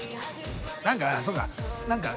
何かそうか。